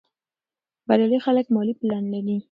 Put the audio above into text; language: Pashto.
بریالي خلک مالي پلان لري.